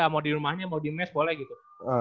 mau di rumahnya mau di mes boleh gitu